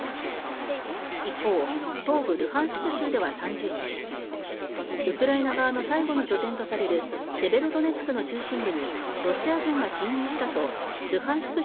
一方、東部ルハンシク州では３０日ウクライナ側の最後の拠点とされるセベロドネツクの中心部にロシア軍が侵入したとルハンシク